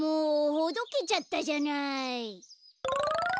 ほどけちゃったじゃない。